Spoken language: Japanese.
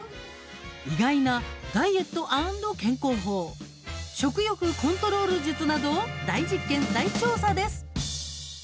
意外なダイエット＆健康法食欲コントロール術などを大実験、大調査です。